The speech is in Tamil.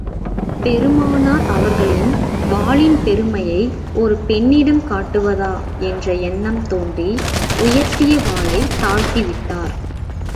பெருமானார் அவர்களின் வாளின் பெருமையை ஒரு பெண்ணிடம் காட்டுவதா என்ற எண்ணம் தோன்றி, உயர்த்திய வாளைத் தாழ்த்தி விட்டார்.